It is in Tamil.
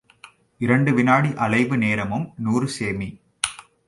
இரண்டு வினாடி அலைவு நேரமும் நூறு செமீ.